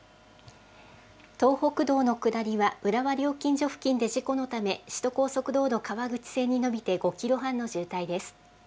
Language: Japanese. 東北道の下りは浦和料金所付近で事故のため、首都高速道路川口線に延びて５キロ半の渋滞です。